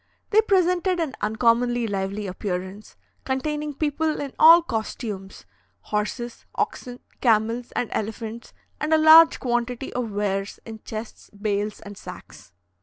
They presented an uncommonly lively appearance, containing people in all costumes, horses, oxen, camels, and elephants, and a large quantity of wares in chests, bales, and sacks.